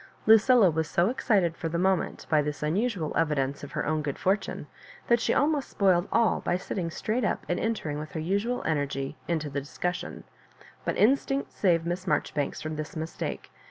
Lucilla was so excited for the moment by this unusual evidence of her own good fortune, that she almost spoiled all by sitting straight up and entering with her usual energy into the discus sion — ^but instinct saved Miss Maijoribanks from this mistake.